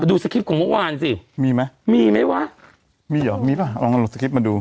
ดูสคริปต์ของเมื่อวานสิมีไหมมีไหมวะมีเหรอมีป่ะลองสคริปต์มาดู